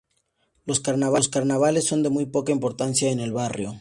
Los carnavales son de muy poca importancia en el barrio.